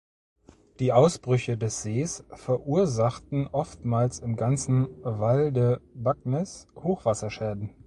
Die Ausbrüche des Sees verursachten oftmals im ganzen Val de Bagnes Hochwasserschäden.